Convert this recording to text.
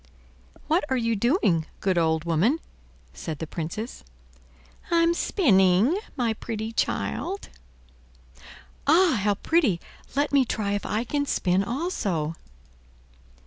"What are you doing, good old woman?" said the Princess. "I'm spinning my pretty child." "Ah, how pretty! Let me try if I can spin also."